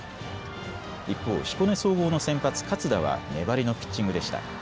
一方、彦根総合の先発、勝田は粘りのピッチングでした。